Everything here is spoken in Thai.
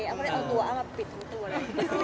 อ่ำก็เลยเอาตัวอ่ำมาปิดของตัวเลย